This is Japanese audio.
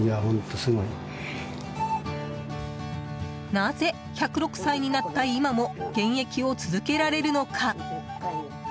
なぜ１０６歳になった今も現役を続けられるのか？